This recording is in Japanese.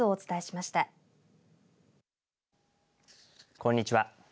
こんにちは。